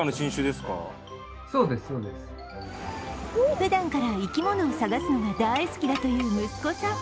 ふだんから生き物を探すのが大好きだという息子さん。